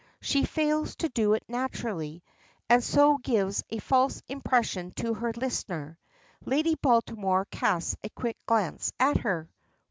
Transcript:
She fails to do it naturally, and so gives a false impression to her listener. Lady Baltimore casts a quick glance at her.